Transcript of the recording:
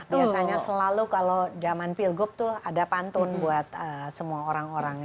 biasanya selalu kalau zaman pilgub tuh ada pantun buat semua orang orang ya